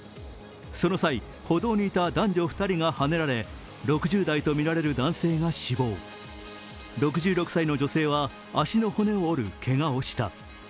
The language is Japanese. その際、歩道にいた男女２人がはねられ、６０代とみられる男性が死亡、６６歳の女性は足の骨を折るけがをした。